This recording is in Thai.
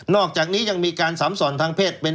นอกจากนี้ยังมีการสำสรรทางเพศ